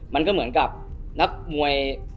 มันก็เหมือนกับนักมวย